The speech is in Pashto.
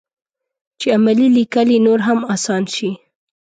چې عملي لیکل یې نور هم اسان شي.